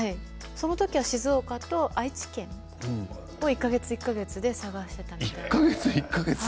その時には静岡県と愛知県１か月１か月で探していたということです。